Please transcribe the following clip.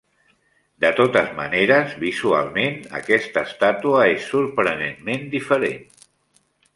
De totes maneres, visualment, aquesta estàtua és sorprenentment diferent.